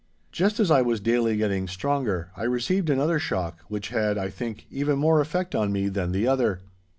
Just as I was daily getting stronger, I received another shock which had, I think, even more effect on me than the other.